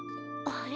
あれ？